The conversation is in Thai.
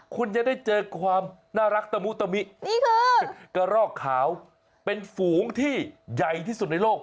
คุณจะได้เจอความน่ารักตะมุตะมินี่คือกระรอกขาวเป็นฝูงที่ใหญ่ที่สุดในโลก